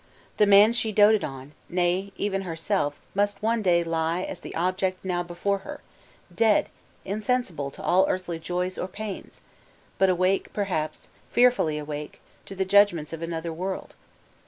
The man she doted on, nay, even herself, must one day lie as the object now before her dead! insensible to all earthly joys, or pains! but awake, perhaps, fearfully awake, to the judgments of another world!